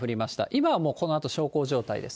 今はもう、このあと小康状態です